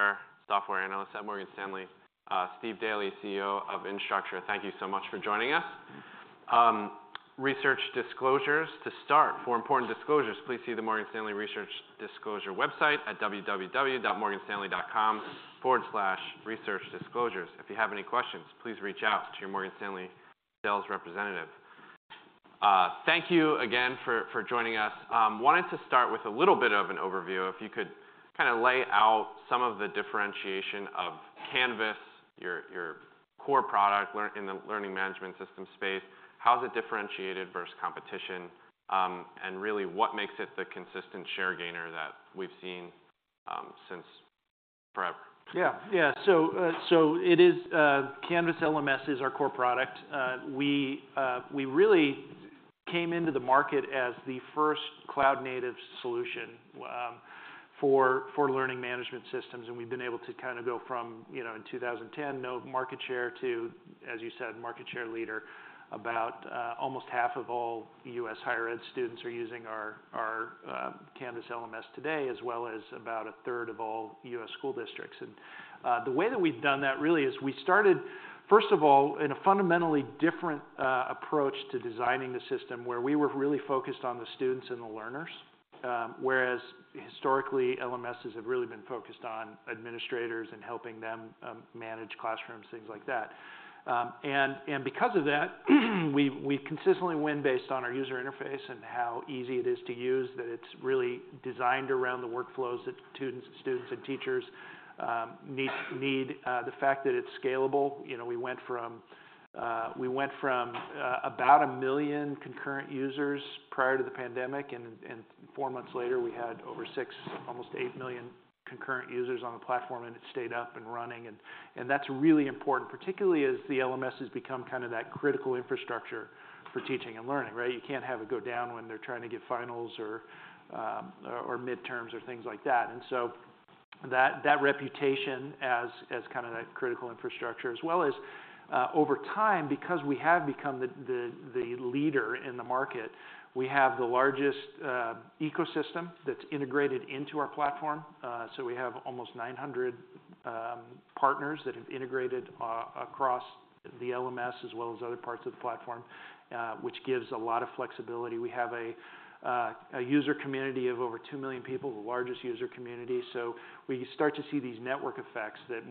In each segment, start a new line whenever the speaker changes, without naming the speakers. Our software analysts at Morgan Stanley, Steve Daly, CEO of Instructure, thank you so much for joining us. Research disclosures: to start, for important disclosures, please see the Morgan Stanley Research Disclosure website at www.morganstanley.com/researchdisclosures. If you have any questions, please reach out to your Morgan Stanley sales representative. Thank you again for joining us. Wanted to start with a little bit of an overview. If you could kind of lay out some of the differentiation of Canvas, your core product in the learning management system space, how's it differentiated versus competition, and really what makes it the consistent share gainer that we've seen since forever.
Yeah. Yeah. So it is. Canvas LMS is our core product. We really came into the market as the first cloud-native solution for learning management systems. And we've been able to kind of go from, you know, in 2010, no market share, to, as you said, market share leader. About almost half of all U.S. higher ed students are using our Canvas LMS today, as well as about a third of all U.S. school districts. And the way that we've done that really is we started, first of all, in a fundamentally different approach to designing the system, where we were really focused on the students and the learners, whereas historically, LMSs have really been focused on administrators and helping them manage classrooms, things like that. Because of that, we consistently win based on our user interface and how easy it is to use, that it's really designed around the workflows that students and teachers need. The fact that it's scalable, you know, we went from about 1 million concurrent users prior to the pandemic, and four months later, we had over 6, almost 8 million concurrent users on the platform, and it stayed up and running. And that's really important, particularly as the LMS has become kind of that critical infrastructure for teaching and learning, right? You can't have it go down when they're trying to get finals or midterms or things like that. And so that reputation as kind of that critical infrastructure, as well as over time, because we have become the leader in the market, we have the largest ecosystem that's integrated into our platform. So we have almost 900 partners that have integrated across the LMS, as well as other parts of the platform, which gives a lot of flexibility. We have a user community of over 2 million people, the largest user community. So we start to see these network effects that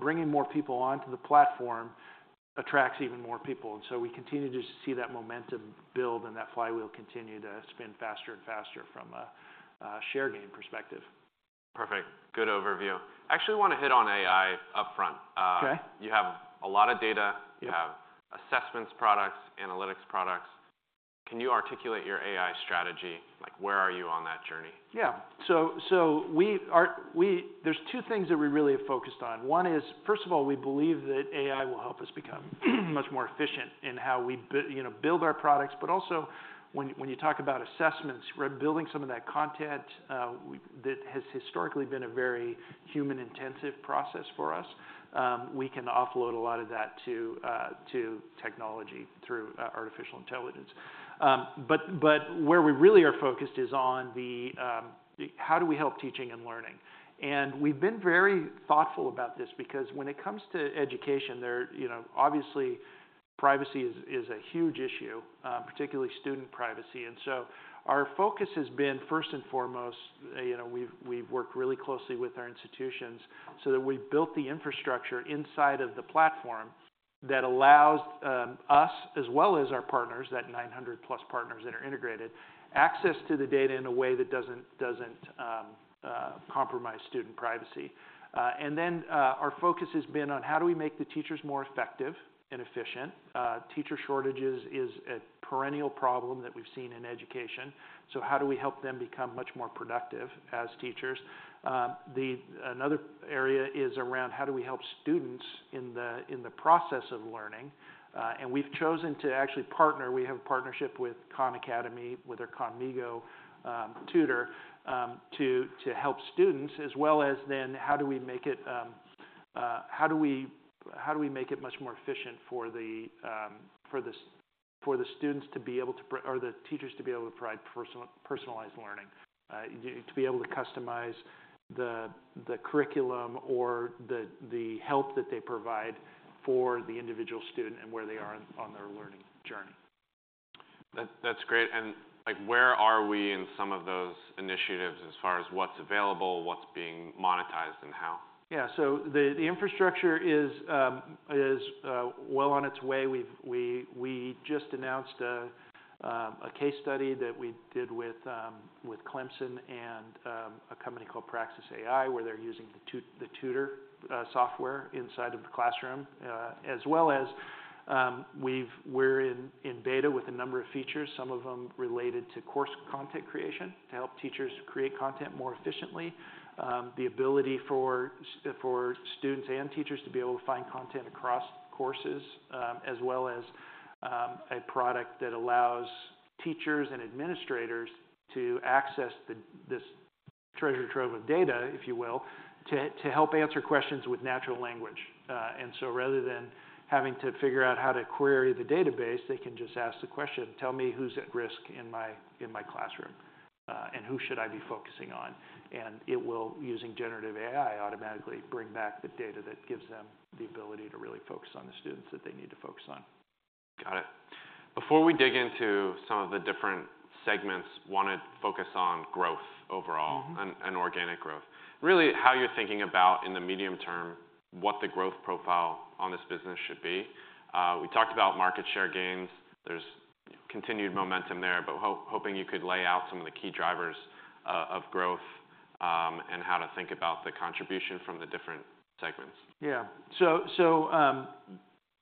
bringing more people onto the platform attracts even more people. And so we continue to see that momentum build, and that flywheel continue to spin faster and faster from a share gain perspective.
Perfect. Good overview. Actually, I want to hit on AI upfront. You have a lot of data. You have assessments products, analytics products. Can you articulate your AI strategy? Like, where are you on that journey?
Yeah. So there's two things that we really have focused on. One is, first of all, we believe that AI will help us become much more efficient in how we, you know, build our products. But also, when you talk about assessments, building some of that content that has historically been a very human-intensive process for us, we can offload a lot of that to technology through artificial intelligence. But where we really are focused is on how do we help teaching and learning? And we've been very thoughtful about this because when it comes to education, there, you know, obviously, privacy is a huge issue, particularly student privacy. And so our focus has been, first and foremost, you know, we've worked really closely with our institutions so that we've built the infrastructure inside of the platform that allows us, as well as our partners, that 900-plus partners that are integrated, access to the data in a way that doesn't compromise student privacy. And then our focus has been on how do we make the teachers more effective and efficient? Teacher shortages is a perennial problem that we've seen in education. So how do we help them become much more productive as teachers? Another area is around how do we help students in the process of learning? And we've chosen to actually partner. We have a partnership with Khan Academy, with our Khanmigo tutor, to help students, as well as then how do we make it much more efficient for the students to be able to or the teachers to be able to provide personalized learning, to be able to customize the curriculum or the help that they provide for the individual student and where they are on their learning journey?
That's great. And like, where are we in some of those initiatives as far as what's available, what's being monetized, and how?
Yeah. So the infrastructure is well on its way. We just announced a case study that we did with Clemson and a company called Praxis AI, where they're using the tutor software inside of the classroom, as well as we're in beta with a number of features, some of them related to course content creation to help teachers create content more efficiently, the ability for students and teachers to be able to find content across courses, as well as a product that allows teachers and administrators to access this treasure trove of data, if you will, to help answer questions with natural language. And so rather than having to figure out how to query the database, they can just ask the question, "Tell me who's at risk in my classroom and who should I be focusing on?" And it will, using Generative AI, automatically bring back the data that gives them the ability to really focus on the students that they need to focus on.
Got it. Before we dig into some of the different segments, I want to focus on growth overall and organic growth, really how you're thinking about, in the medium term, what the growth profile on this business should be. We talked about market share gains. There's continued momentum there, but hoping you could lay out some of the key drivers of growth and how to think about the contribution from the different segments.
Yeah. So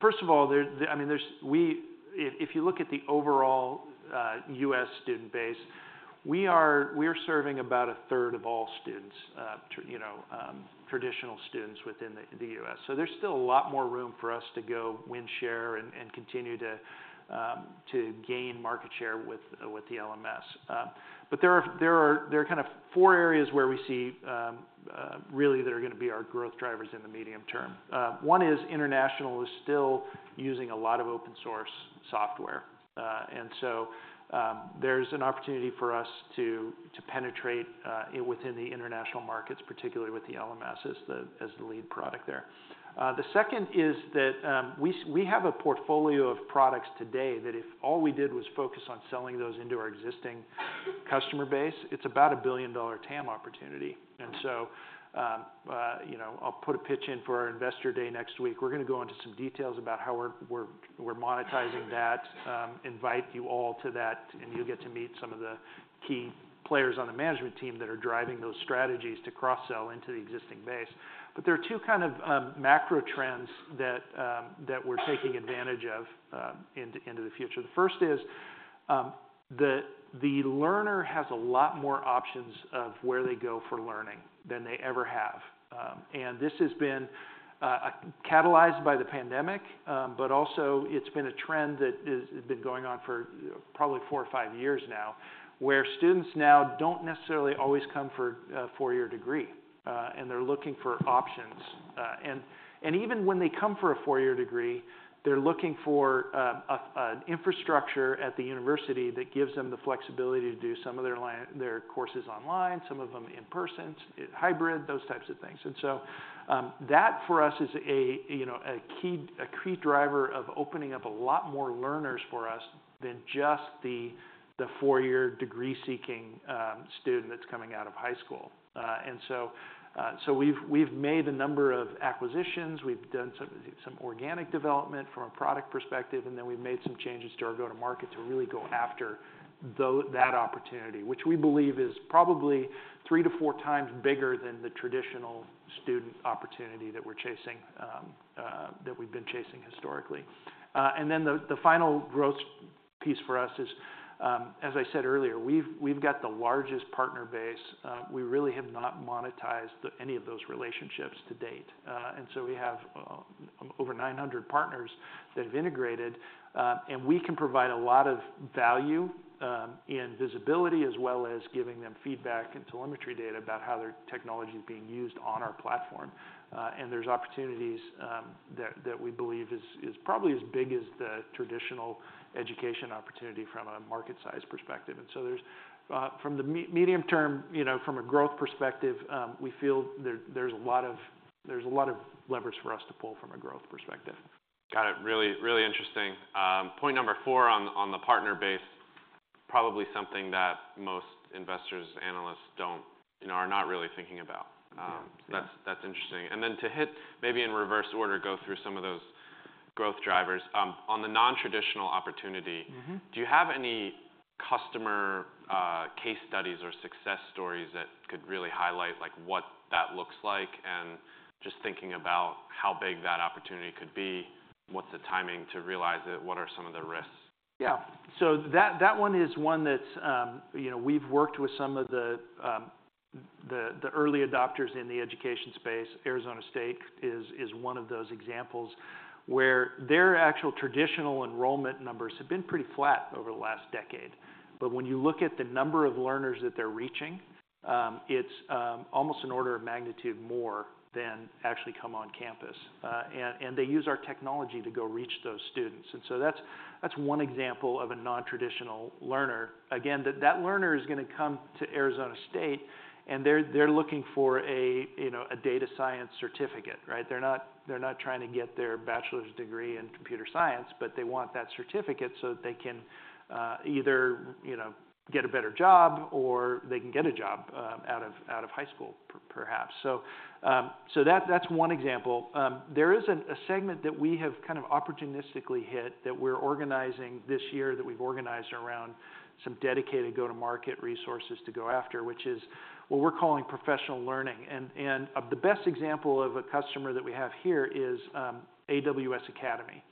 first of all, I mean, if you look at the overall U.S. student base, we are serving about a third of all students, you know, traditional students within the U.S. So there's still a lot more room for us to go win share and continue to gain market share with the LMS. But there are kind of four areas where we see, really, that are going to be our growth drivers in the medium term. One is international is still using a lot of open-source software. And so there's an opportunity for us to penetrate within the international markets, particularly with the LMSs as the lead product there. The second is that we have a portfolio of products today that if all we did was focus on selling those into our existing customer base, it's about a $1 billion TAM opportunity. And so, you know, I'll put a pitch in for our Investor Day next week. We're going to go into some details about how we're monetizing that. Invite you all to that, and you'll get to meet some of the key players on the management team that are driving those strategies to cross-sell into the existing base. But there are two kind of macro trends that we're taking advantage of into the future. The first is the learner has a lot more options of where they go for learning than they ever have. And this has been catalyzed by the pandemic, but also it's been a trend that has been going on for probably four or five years now, where students now don't necessarily always come for a four-year degree, and they're looking for options. And even when they come for a four-year degree, they're looking for an infrastructure at the university that gives them the flexibility to do some of their courses online, some of them in person, hybrid, those types of things. And so that, for us, is a key driver of opening up a lot more learners for us than just the four-year degree-seeking student that's coming out of high school. And so we've made a number of acquisitions. We've done some organic development from a product perspective, and then we've made some changes to our go-to-market to really go after that opportunity, which we believe is probably 3-4 times bigger than the traditional student opportunity that we're chasing, that we've been chasing historically. And then the final growth piece for us is, as I said earlier, we've got the largest partner base. We really have not monetized any of those relationships to date. So we have over 900 partners that have integrated, and we can provide a lot of value in visibility, as well as giving them feedback and telemetry data about how their technology is being used on our platform. There's opportunities that we believe are probably as big as the traditional education opportunity from a market-size perspective. So from the medium term, you know, from a growth perspective, we feel there's a lot of levers for us to pull from a growth perspective.
Got it. Really, really interesting. Point number four on the partner base, probably something that most investors and analysts don't, you know, are not really thinking about. That's interesting. And then to hit maybe in reverse order, go through some of those growth drivers. On the non-traditional opportunity, do you have any customer case studies or success stories that could really highlight, like, what that looks like? And just thinking about how big that opportunity could be, what's the timing to realize it? What are some of the risks?
Yeah. So that one is one that's, you know, we've worked with some of the early adopters in the education space. Arizona State is one of those examples where their actual traditional enrollment numbers have been pretty flat over the last decade. But when you look at the number of learners that they're reaching, it's almost an order of magnitude more than actually come on campus. And they use our technology to go reach those students. And so that's one example of a non-traditional learner. Again, that learner is going to come to Arizona State, and they're looking for a data science certificate, right? They're not trying to get their bachelor's degree in computer science, but they want that certificate so that they can either, you know, get a better job or they can get a job out of high school, perhaps. So that's one example. There is a segment that we have kind of opportunistically hit that we're organizing this year that we've organized around some dedicated go-to-market resources to go after, which is what we're calling professional learning. The best example of a customer that we have here is AWS Academy.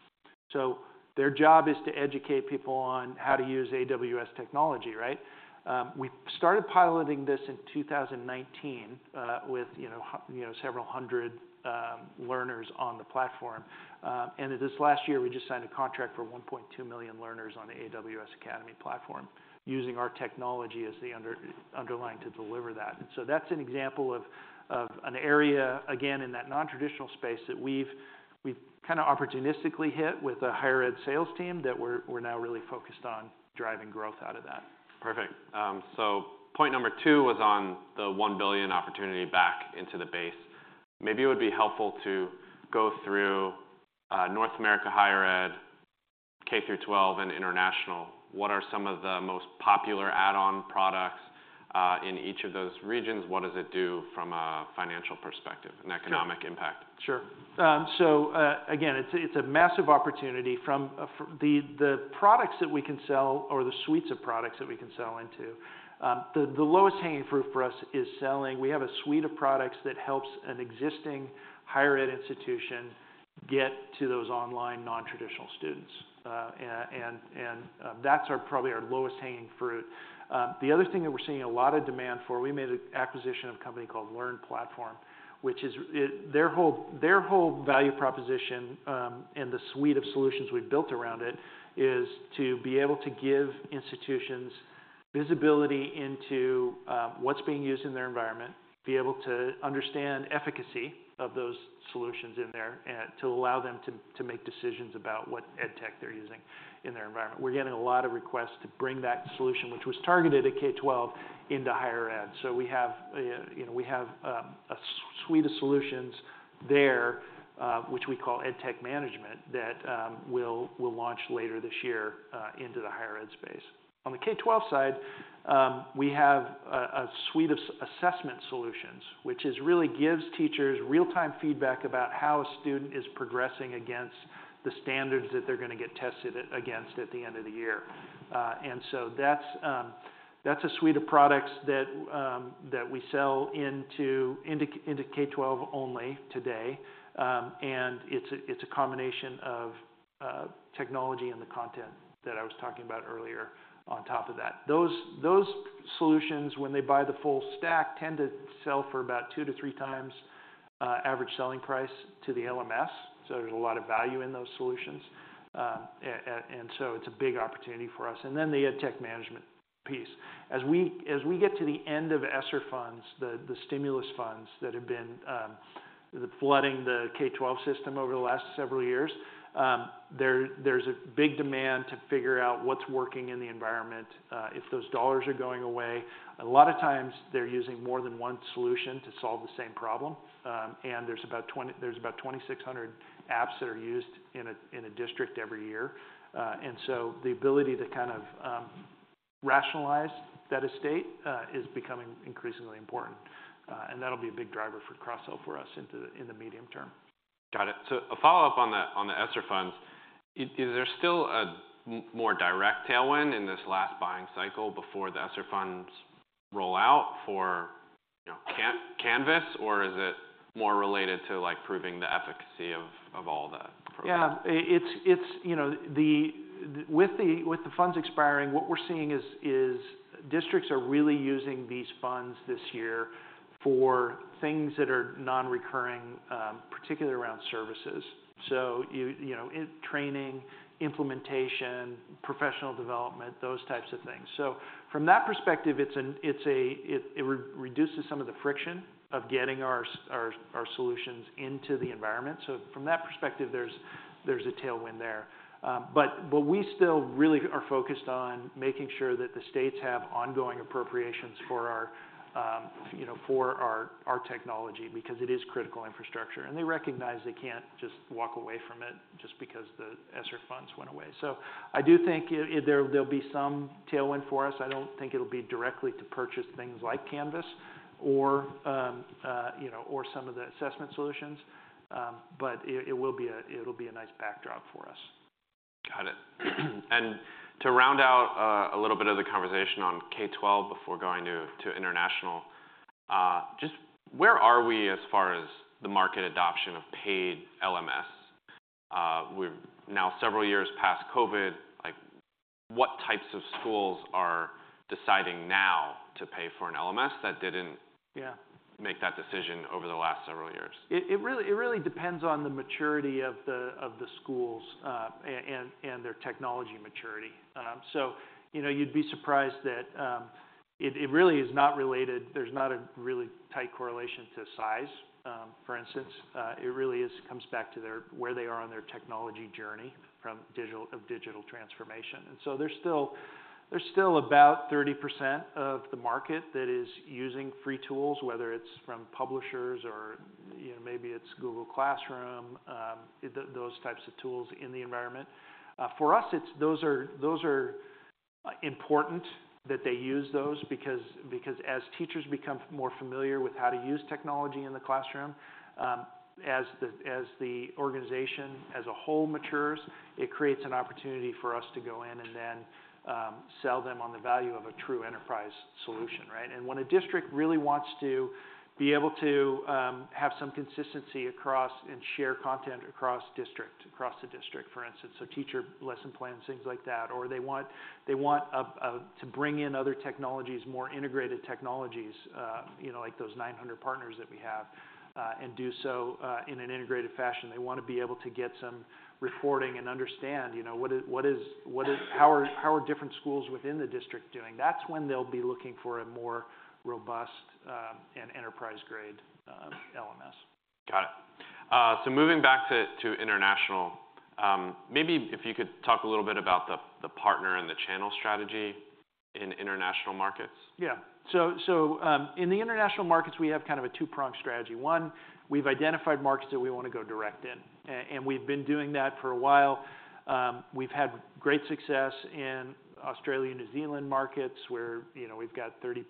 Their job is to educate people on how to use AWS technology, right? We started piloting this in 2019 with, you know, several hundred learners on the platform. This last year, we just signed a contract for 1.2 million learners on the AWS Academy platform using our technology as the underlying to deliver that. So that's an example of an area, again, in that non-traditional space that we've kind of opportunistically hit with a higher ed sales team that we're now really focused on driving growth out of that.
Perfect. So point number two was on the $1 billion opportunity back into the base. Maybe it would be helpful to go through North America higher ed, K through 12, and international. What are some of the most popular add-on products in each of those regions? What does it do from a financial perspective and economic impact?
Sure. So again, it's a massive opportunity. From the products that we can sell or the suites of products that we can sell into, the lowest hanging fruit for us is selling we have a suite of products that helps an existing higher ed institution get to those online non-traditional students. And that's probably our lowest hanging fruit. The other thing that we're seeing a lot of demand for, we made an acquisition of a company called LearnPlatform, which is their whole value proposition and the suite of solutions we've built around it is to be able to give institutions visibility into what's being used in their environment, be able to understand the efficacy of those solutions in there to allow them to make decisions about what ed tech they're using in their environment. We're getting a lot of requests to bring that solution, which was targeted at K-12, into higher ed. So we have, you know, we have a suite of solutions there, which we call ed tech management, that we'll launch later this year into the higher ed space. On the K-12 side, we have a suite of assessment solutions, which really gives teachers real-time feedback about how a student is progressing against the standards that they're going to get tested against at the end of the year. And so that's a suite of products that we sell into K-12 only today. And it's a combination of technology and the content that I was talking about earlier on top of that. Those solutions, when they buy the full stack, tend to sell for about 2-3 times average selling price to the LMS. So there's a lot of value in those solutions. And so it's a big opportunity for us. And then the ed tech management piece. As we get to the end of ESSER funds, the stimulus funds that have been flooding the K-12 system over the last several years, there's a big demand to figure out what's working in the environment, if those dollars are going away. A lot of times, they're using more than one solution to solve the same problem. And there's about 2,600 apps that are used in a district every year. And so the ability to kind of rationalize that estate is becoming increasingly important. And that'll be a big driver for cross-sell for us in the medium term.
Got it. So a follow-up on the ESSER funds, is there still a more direct tailwind in this last buying cycle before the ESSER funds roll out for, you know, Canvas? Or is it more related to, like, proving the efficacy of all the programs?
Yeah. It's, you know, with the funds expiring, what we're seeing is districts are really using these funds this year for things that are non-recurring, particularly around services. So you know, training, implementation, professional development, those types of things. So from that perspective, it reduces some of the friction of getting our solutions into the environment. So from that perspective, there's a tailwind there. But we still really are focused on making sure that the states have ongoing appropriations for our technology because it is critical infrastructure. And they recognize they can't just walk away from it just because the ESSER funds went away. So I do think there'll be some tailwind for us. I don't think it'll be directly to purchase things like Canvas or some of the assessment solutions. But it'll be a nice backdrop for us.
Got it. To round out a little bit of the conversation on K-12 before going to international, just where are we as far as the market adoption of paid LMS? We're now several years past COVID. Like, what types of schools are deciding now to pay for an LMS that didn't make that decision over the last several years?
It really depends on the maturity of the schools and their technology maturity. So, you know, you'd be surprised that it really is not related. There's not a really tight correlation to size, for instance. It really comes back to where they are on their technology journey of digital transformation. And so there's still about 30% of the market that is using free tools, whether it's from publishers or, you know, maybe it's Google Classroom, those types of tools in the environment. For us, those are important that they use those because as teachers become more familiar with how to use technology in the classroom, as the organization as a whole matures, it creates an opportunity for us to go in and then sell them on the value of a true enterprise solution, right? When a district really wants to be able to have some consistency across and share content across the district, for instance, so teacher lesson plans, things like that, or they want to bring in other technologies, more integrated technologies, you know, like those 900 partners that we have, and do so in an integrated fashion, they want to be able to get some reporting and understand, you know, how are different schools within the district doing? That's when they'll be looking for a more robust and enterprise-grade LMS.
Got it. Moving back to international, maybe if you could talk a little bit about the partner and the channel strategy in international markets.
Yeah. So in the international markets, we have kind of a two-pronged strategy. One, we've identified markets that we want to go direct in. And we've been doing that for a while. We've had great success in Australia and New Zealand markets where, you know, we've got 30%+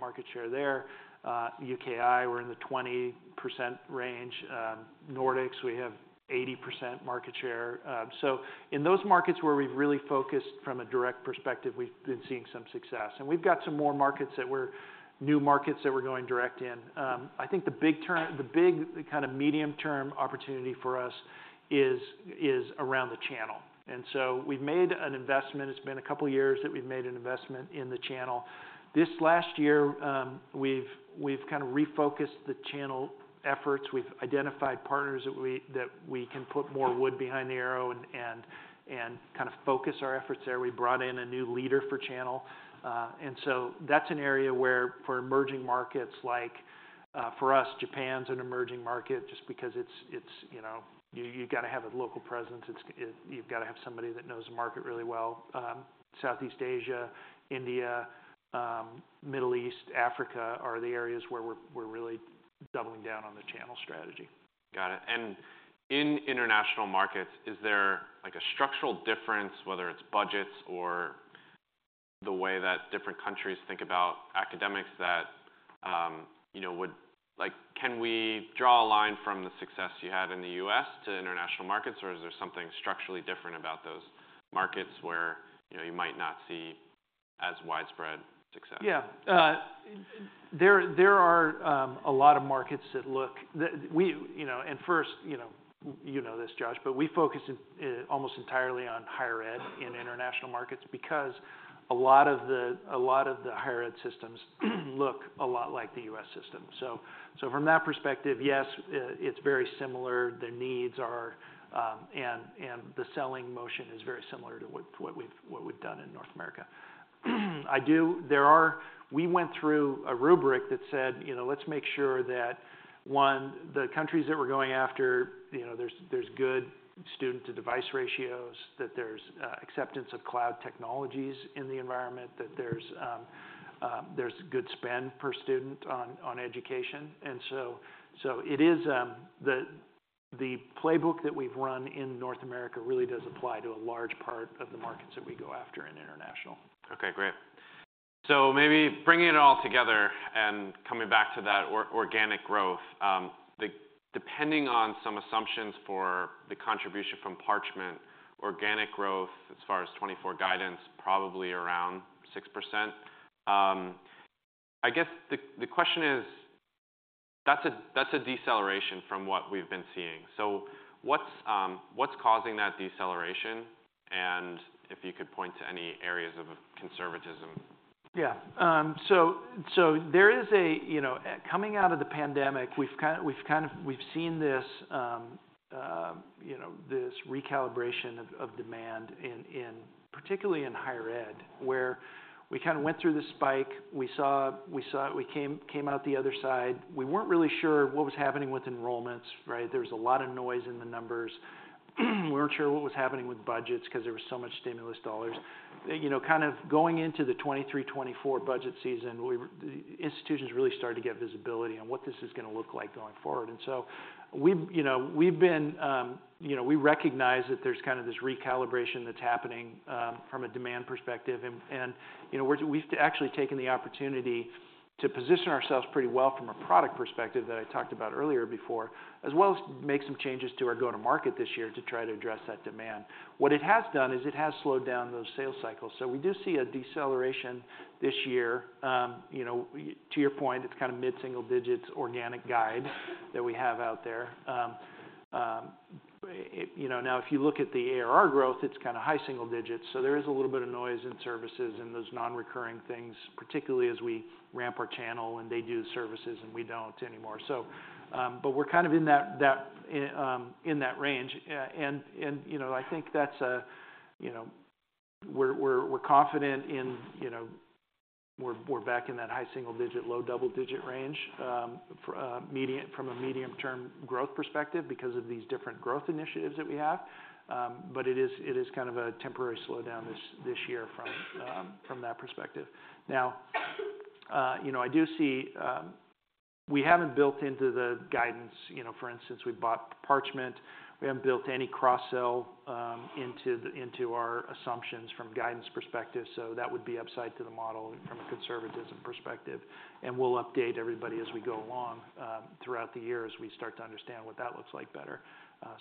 market share there. UKI, we're in the 20% range. Nordics, we have 80% market share. So in those markets where we've really focused from a direct perspective, we've been seeing some success. And we've got some more new markets that we're going direct in. I think the big kind of medium-term opportunity for us is around the channel. And so we've made an investment. It's been a couple of years that we've made an investment in the channel. This last year, we've kind of refocused the channel efforts. We've identified partners that we can put more wood behind the arrow and kind of focus our efforts there. We brought in a new leader for channel. And so that's an area where for emerging markets, like for us, Japan's an emerging market just because it's, you know, you've got to have a local presence. You've got to have somebody that knows the market really well. Southeast Asia, India, Middle East, Africa are the areas where we're really doubling down on the channel strategy.
Got it. In international markets, is there, like, a structural difference, whether it's budgets or the way that different countries think about academics that, you know, would, like, can we draw a line from the success you had in the U.S. to international markets? Or is there something structurally different about those markets where, you know, you might not see as widespread success?
Yeah. There are a lot of markets that, you know, and first, you know, you know this, Josh, but we focus almost entirely on higher ed in international markets because a lot of the higher ed systems look a lot like the U.S. system. So from that perspective, yes, it's very similar. The needs are and the selling motion is very similar to what we've done in North America. We went through a rubric that said, you know, let's make sure that, one, the countries that we're going after, you know, there's good student-to-device ratios, that there's acceptance of cloud technologies in the environment, that there's good spend per student on education. And so it is the playbook that we've run in North America really does apply to a large part of the markets that we go after in international.
Okay, great. So maybe bringing it all together and coming back to that organic growth, depending on some assumptions for the contribution from Parchment, organic growth as far as 2024 guidance, probably around 6%. I guess the question is, that's a deceleration from what we've been seeing. So what's causing that deceleration? And if you could point to any areas of conservatism.
Yeah. So there is a, you know, coming out of the pandemic, we've kind of seen this, you know, this recalibration of demand, particularly in higher ed, where we kind of went through this spike. We saw it, we came out the other side. We weren't really sure what was happening with enrollments, right? There was a lot of noise in the numbers. We weren't sure what was happening with budgets because there were so much stimulus dollars. You know, kind of going into the 2023-2024 budget season, institutions really started to get visibility on what this is going to look like going forward. And so we've, you know, we've been, you know, we recognize that there's kind of this recalibration that's happening from a demand perspective. You know, we've actually taken the opportunity to position ourselves pretty well from a product perspective that I talked about earlier before, as well as make some changes to our go-to-market this year to try to address that demand. What it has done is it has slowed down those sales cycles. So we do see a deceleration this year. You know, to your point, it's kind of mid-single digits organic guide that we have out there. You know, now if you look at the ARR growth, it's kind of high single digits. So there is a little bit of noise in services and those non-recurring things, particularly as we ramp our channel and they do the services and we don't anymore. So, but we're kind of in that range. You know, I think that's, you know, we're confident in, you know, we're back in that high single digit, low double digit range from a medium-term growth perspective because of these different growth initiatives that we have. But it is kind of a temporary slowdown this year from that perspective. Now, you know, I do see we haven't built into the guidance, you know, for instance, we bought Parchment. We haven't built any cross-sell into our assumptions from guidance perspective. So that would be upside to the model from a conservatism perspective. And we'll update everybody as we go along throughout the year as we start to understand what that looks like better.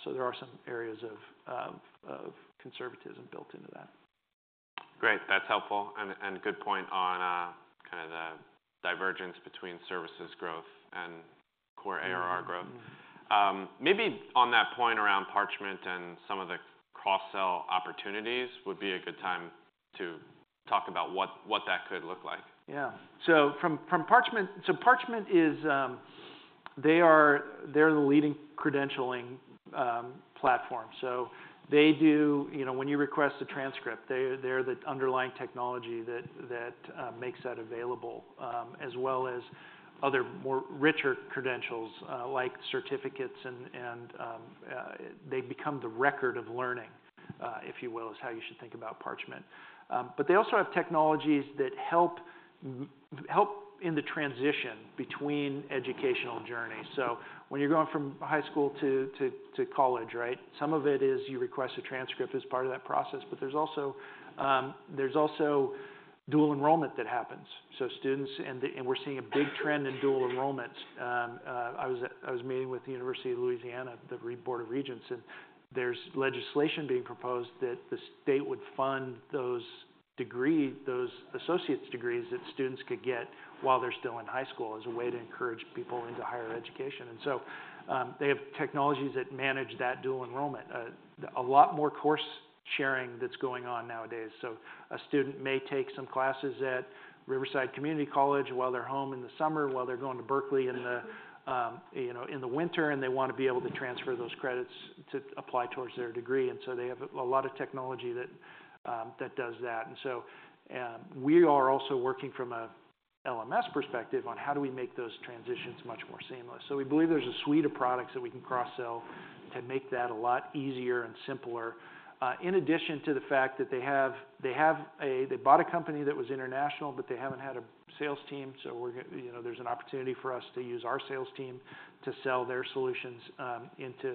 So there are some areas of conservatism built into that.
Great. That's helpful and good point on kind of the divergence between services growth and core ARR growth. Maybe on that point around Parchment and some of the cross-sell opportunities, would be a good time to talk about what that could look like.
Yeah. So from Parchment, so Parchment is, they're the leading credentialing platform. So they do, you know, when you request a transcript, they're the underlying technology that makes that available, as well as other more richer credentials like certificates. And they become the record of learning, if you will, is how you should think about Parchment. But they also have technologies that help in the transition between educational journeys. So when you're going from high school to college, right? Some of it is you request a transcript as part of that process. But there's also dual enrollment that happens. So students, and we're seeing a big trend in dual enrollments. I was meeting with the University of Louisiana, the Board of Regents, and there's legislation being proposed that the state would fund those associate's degrees that students could get while they're still in high school as a way to encourage people into higher education. They have technologies that manage that dual enrollment. A lot more course sharing that's going on nowadays. A student may take some classes at Riverside Community College while they're home in the summer, while they're going to Berkeley in the winter, and they want to be able to transfer those credits to apply towards their degree. They have a lot of technology that does that. We are also working from an LMS perspective on how we make those transitions much more seamless. So we believe there's a suite of products that we can cross-sell to make that a lot easier and simpler. In addition to the fact that they have, they bought a company that was international, but they haven't had a sales team. So we're, you know, there's an opportunity for us to use our sales team to sell their solutions into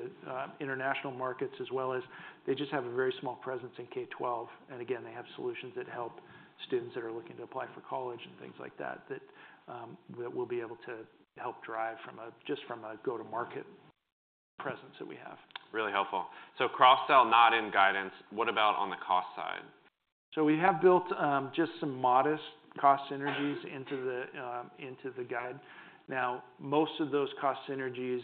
international markets, as well as they just have a very small presence in K-12. And again, they have solutions that help students that are looking to apply for college and things like that that we'll be able to help drive just from a go-to-market presence that we have.
Really helpful. So cross-sell, not in guidance. What about on the cost side?
So we have built just some modest cost synergies into the guide. Now, most of those cost synergies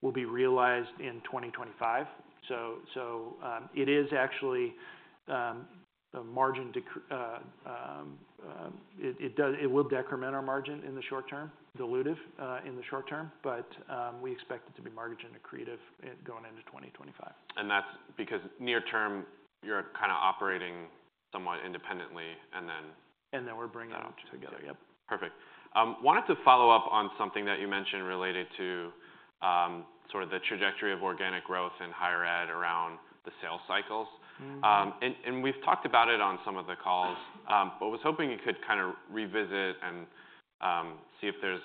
will be realized in 2025. So it is actually a margin. It will decrement our margin in the short term, dilutive in the short term, but we expect it to be marginally creative going into 2025.
That's because, near term, you're kind of operating somewhat independently, and then.
And then we're bringing it together, yep.
Perfect. Wanted to follow up on something that you mentioned related to sort of the trajectory of organic growth in higher ed around the sales cycles. We've talked about it on some of the calls, but was hoping you could kind of revisit and see if there's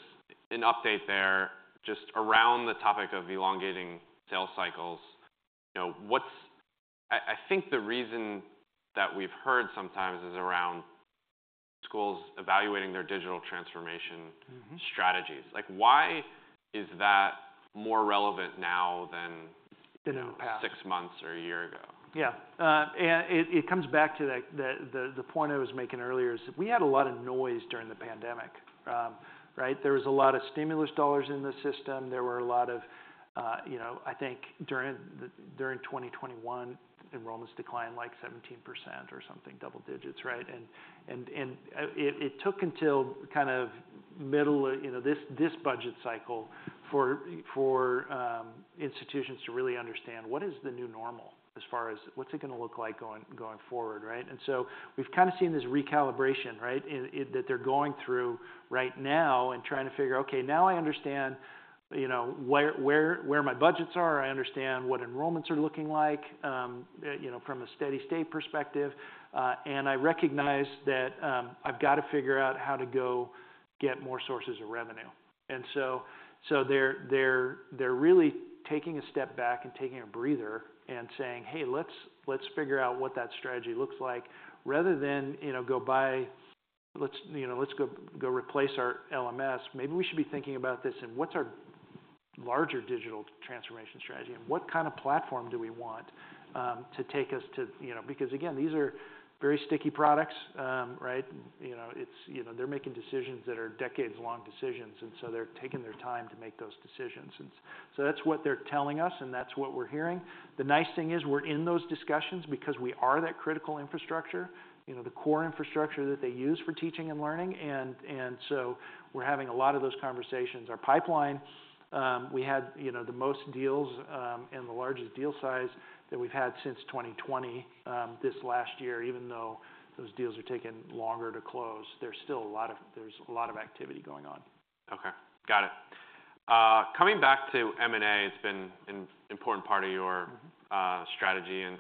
an update there just around the topic of elongating sales cycles. You know, what's, I think the reason that we've heard sometimes is around schools evaluating their digital transformation strategies. Like, why is that more relevant now than six months or a year ago?
Yeah. And it comes back to the point I was making earlier is we had a lot of noise during the pandemic, right? There was a lot of stimulus dollars in the system. There were a lot of, you know, I think during 2021, enrollments declined like 17% or something, double digits, right? And it took until kind of middle, you know, this budget cycle for institutions to really understand what is the new normal as far as what's it going to look like going forward, right? And so we've kind of seen this recalibration, right, that they're going through right now and trying to figure, okay, now I understand, you know, where my budgets are. I understand what enrollments are looking like, you know, from a steady state perspective. And I recognize that I've got to figure out how to go get more sources of revenue. And so they're really taking a step back and taking a breather and saying, hey, let's figure out what that strategy looks like. Rather than, you know, go buy, let's, you know, let's go replace our LMS. Maybe we should be thinking about this and what's our larger digital transformation strategy and what kind of platform do we want to take us to, you know, because again, these are very sticky products, right? You know, it's, you know, they're making decisions that are decades-long decisions. And so they're taking their time to make those decisions. And so that's what they're telling us and that's what we're hearing. The nice thing is we're in those discussions because we are that critical infrastructure, you know, the core infrastructure that they use for teaching and learning. And so we're having a lot of those conversations. Our pipeline, we had, you know, the most deals and the largest deal size that we've had since 2020 this last year. Even though those deals are taking longer to close, there's still a lot of activity going on.
Okay, got it. Coming back to M&A, it's been an important part of your strategy and,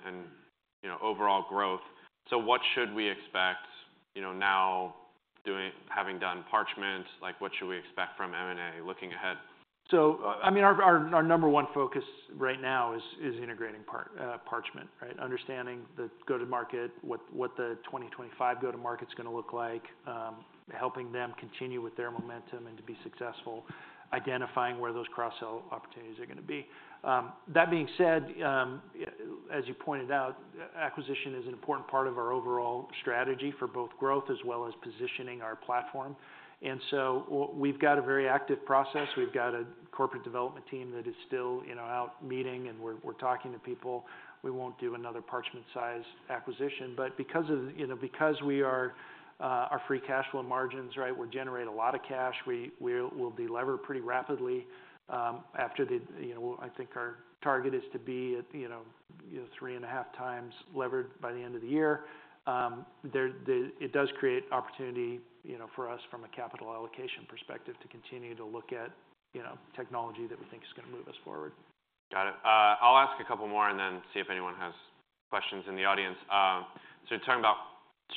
you know, overall growth. So what should we expect, you know, now having done Parchment? Like, what should we expect from M&A looking ahead?
So, I mean, our number one focus right now is integrating Parchment, right? Understanding the go-to-market, what the 2025 go-to-market's going to look like, helping them continue with their momentum and to be successful, identifying where those cross-sell opportunities are going to be. That being said, as you pointed out, acquisition is an important part of our overall strategy for both growth as well as positioning our platform. And so we've got a very active process. We've got a corporate development team that is still, you know, out meeting and we're talking to people. We won't do another Parchment-sized acquisition. But because of, you know, because we are our free cash flow margins, right, we generate a lot of cash. We'll delever pretty rapidly after the, you know, I think our target is to be at, you know, 3.5x levered by the end of the year. It does create opportunity, you know, for us from a capital allocation perspective to continue to look at, you know, technology that we think is going to move us forward.
Got it. I'll ask a couple more and then see if anyone has questions in the audience. So you're talking about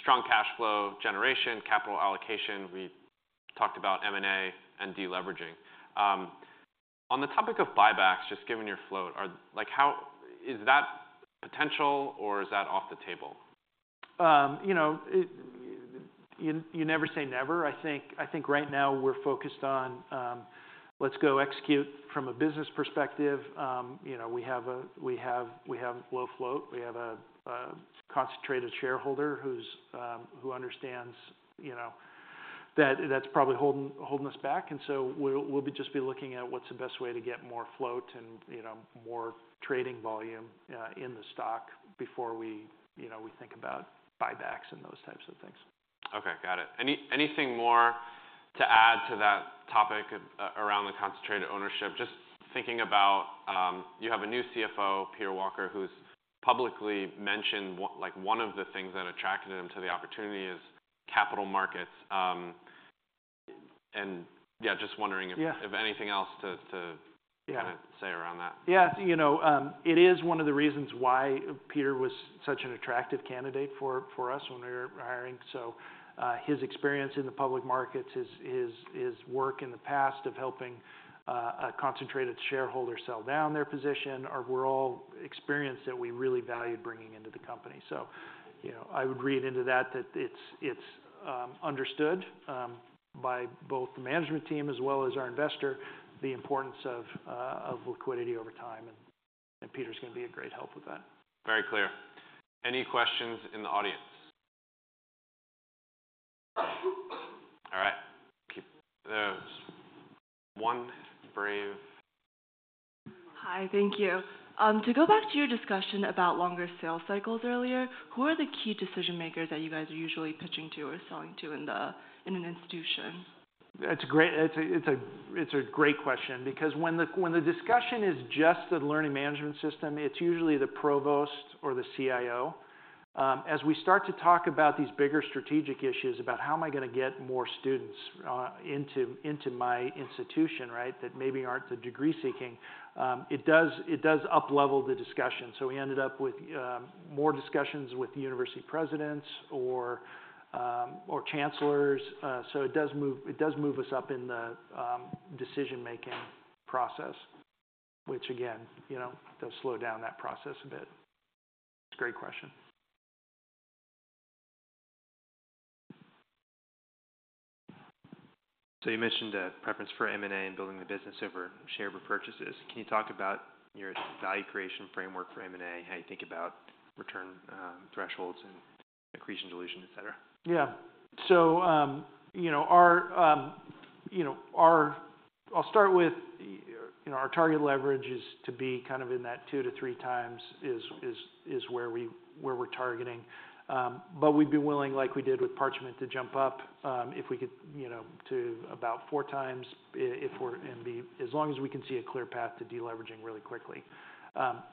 strong cash flow generation, capital allocation. We talked about M&A and deleveraging. On the topic of buybacks, just given your float, are like, how is that potential or is that off the table?
You know, you never say never. I think right now we're focused on, let's go execute from a business perspective. You know, we have low float. We have a concentrated shareholder who understands, you know, that that's probably holding us back. And so we'll just be looking at what's the best way to get more float and, you know, more trading volume in the stock before we, you know, we think about buybacks and those types of things.
Okay, got it. Anything more to add to that topic around the concentrated ownership? Just thinking about, you have a new CFO, Peter Walker, who's publicly mentioned like one of the things that attracted him to the opportunity is capital markets. And yeah, just wondering if anything else to kind of say around that.
Yeah, you know, it is one of the reasons why Peter was such an attractive candidate for us when we were hiring. So his experience in the public markets, his work in the past of helping a concentrated shareholder sell down their position are all experience that we really valued bringing into the company. So, you know, I would read into that that it's understood by both the management team as well as our investor the importance of liquidity over time. And Peter's going to be a great help with that.
Very clear. Any questions in the audience? All right. Okay, there's one brave.
Hi, thank you. To go back to your discussion about longer sales cycles earlier, who are the key decision makers that you guys are usually pitching to or selling to in an institution?
It's a great question because when the discussion is just the learning management system, it's usually the provost or the CIO. As we start to talk about these bigger strategic issues about how am I going to get more students into my institution, right, that maybe aren't the degree seeking, it does uplevel the discussion. So we ended up with more discussions with university presidents or chancellors. So it does move us up in the decision-making process, which again, you know, does slow down that process a bit. It's a great question.
You mentioned a preference for M&A and building the business over shareable purchases. Can you talk about your value creation framework for M&A, how you think about return thresholds and accretion dilution, etc?
Yeah. So, you know, our, you know, I'll start with, you know, our target leverage is to be kind of in that 2-3 times is where we're targeting. But we'd be willing, like we did with Parchment, to jump up if we could, you know, to about 4 times if we're and be as long as we can see a clear path to deleveraging really quickly.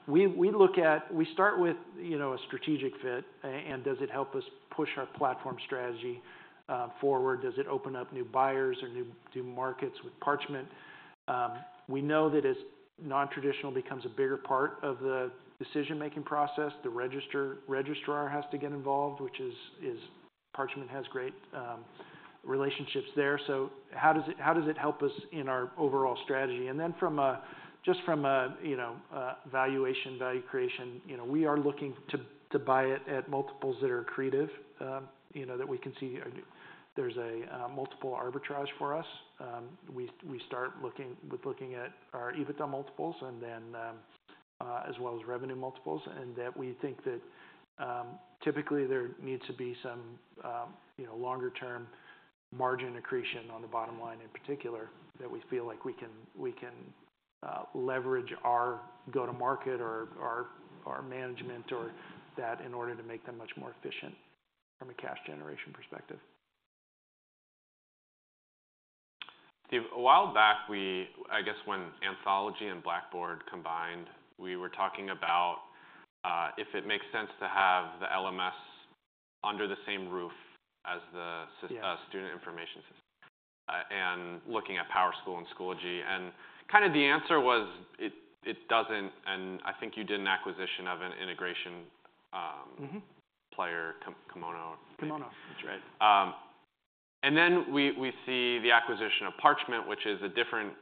We look at, we start with, you know, a strategic fit and does it help us push our platform strategy forward? Does it open up new buyers or new markets with Parchment? We know that as non-traditional becomes a bigger part of the decision-making process, the registrar has to get involved, which is Parchment has great relationships there. So how does it help us in our overall strategy? And then, just from a valuation, value creation, you know, we are looking to buy it at multiples that are creative, you know, that we can see there's a multiple arbitrage for us. We start looking at our EBITDA multiples as well as revenue multiples and that we think that typically there needs to be some, you know, longer-term margin accretion on the bottom line in particular that we feel like we can leverage our go-to-market or our management or that in order to make them much more efficient from a cash generation perspective.
Steve, a while back, we, I guess when Anthology and Blackboard combined, we were talking about if it makes sense to have the LMS under the same roof as the student information system and looking at PowerSchool and Schoology. Kind of the answer was it doesn't. I think you did an acquisition of an integration player, Kimono.
Kimono, that's right.
And then we see the acquisition of Parchment, which is a different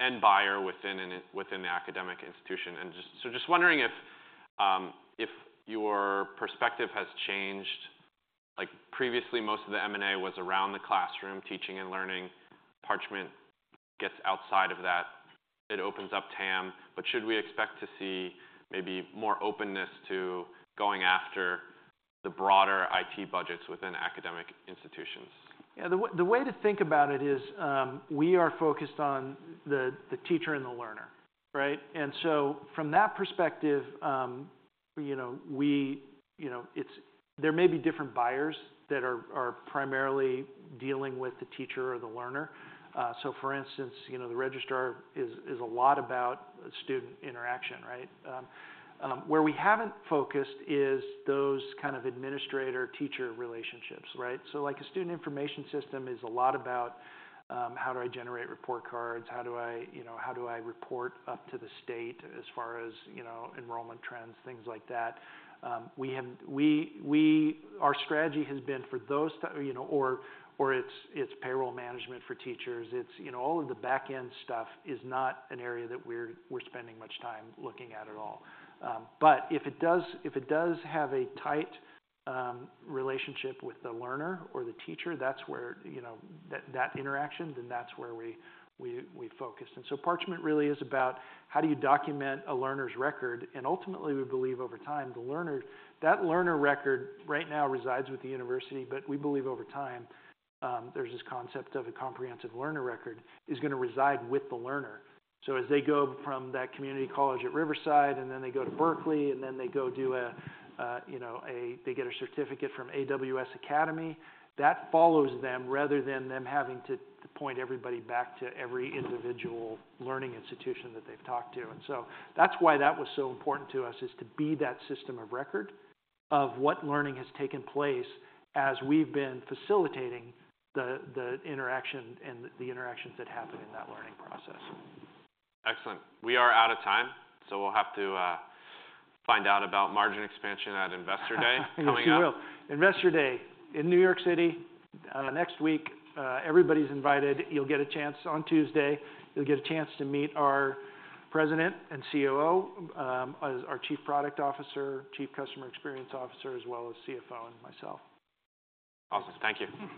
end buyer within the academic institution. And so just wondering if your perspective has changed. Like previously, most of the M&A was around the classroom teaching and learning. Parchment gets outside of that. It opens up TAM. But should we expect to see maybe more openness to going after the broader IT budgets within academic institutions?
Yeah, the way to think about it is we are focused on the teacher and the learner, right? And so from that perspective, you know, we, you know, there may be different buyers that are primarily dealing with the teacher or the learner. So for instance, you know, the registrar is a lot about student interaction, right? Where we haven't focused is those kind of administrator-teacher relationships, right? So like a student information system is a lot about how do I generate report cards? How do I, you know, how do I report up to the state as far as, you know, enrollment trends, things like that? Our strategy has been for those, you know, or it's payroll management for teachers. It's, you know, all of the backend stuff is not an area that we're spending much time looking at at all. But if it does have a tight relationship with the learner or the teacher, that's where, you know, that interaction, then that's where we focus. And so Parchment really is about how do you document a learner's record? And ultimately, we believe over time the learner, that learner record right now resides with the university, but we believe over time there's this concept of a comprehensive learner record is going to reside with the learner. So as they go from that community college at Riverside Community College and then they go to Berkeley and then they go do a, you know, they get a certificate from AWS Academy, that follows them rather than them having to point everybody back to every individual learning institution that they've talked to. That's why that was so important to us is to be that system of record of what learning has taken place as we've been facilitating the interaction and the interactions that happen in that learning process.
Excellent. We are out of time. We'll have to find out about margin expansion at Investor Day coming up. Investor Day in New York City next week. Everybody's invited. You'll get a chance on Tuesday. You'll get a chance to meet our President and COO, our Chief Product Officer, Chief Customer Experience Officer, as well as CFO and myself. Awesome. Thank you.